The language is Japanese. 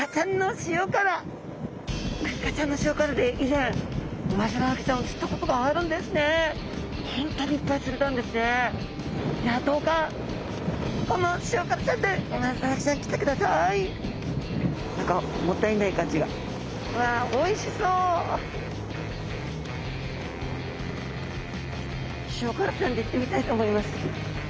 塩辛ちゃんでいってみたいと思います。